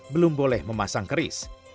belum boleh memasang keris